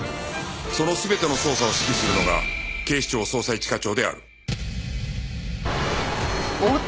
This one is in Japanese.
その全ての捜査を指揮するのが警視庁捜査一課長である